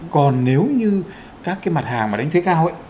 còn nếu như các cái mặt hàng mà đánh thuế cao ấy